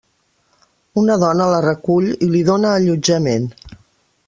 Una dona la recull i li dóna allotjament.